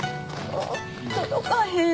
届かへん。